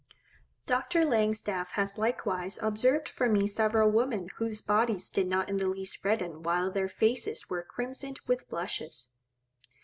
Dr. Langstaff has likewise observed for me several women whose bodies did not in the least redden while their faces were crimsoned with blushes.